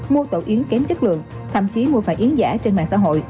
mua tổ yến kém chất lượng thậm chí mua phải yến giả trên mạng xã hội